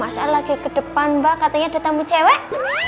masa lagi ke depan mbak katanya ada tamu cewek